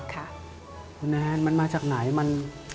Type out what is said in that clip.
คุณแอนมันมาจากไหน